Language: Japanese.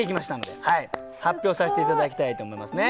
すごい！発表させて頂きたいと思いますね。